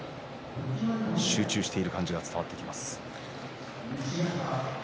集中している感じが伝わってきます。